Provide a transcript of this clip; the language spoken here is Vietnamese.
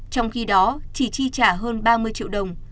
trong khi đó chỉ chi trả hơn ba mươi triệu đồng